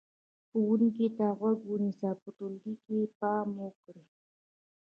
ښوونکي ته غوږ ونیسئ، په ټولګي کې پام وکړئ،